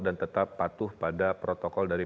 dan tetap patuh pada protokol dari